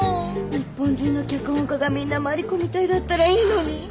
日本中の脚本家がみんな万理子みたいだったらいいのに。